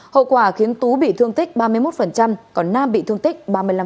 hậu quả khiến tú bị thương tích ba mươi một còn nam bị thương tích ba mươi năm